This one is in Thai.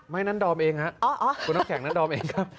นั้นดอมเองฮะคุณน้ำแข็งนั้นดอมเองครับ